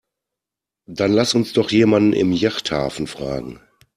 Dann lass uns doch jemanden im Yachthafen fragen.